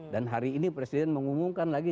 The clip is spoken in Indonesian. dan hari ini presiden mengumumkan lagi